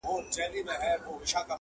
د دوستۍ درته لرمه پیغامونه،